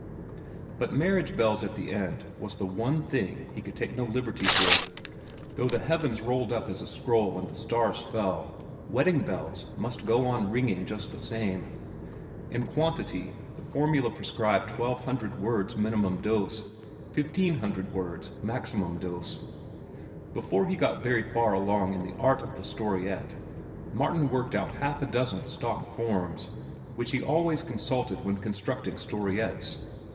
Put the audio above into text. But marriage bells at the end was the one thing he could take no liberties with; though the heavens rolled up as a scroll and the stars fell, the wedding bells must go on ringing just the same. In quantity, the formula prescribed twelve hundred words minimum dose, fifteen hundred words maximum dose. Before he got very far along in the art of the storiette, Martin worked out half a dozen stock forms, which he always consulted when constructing storiettes.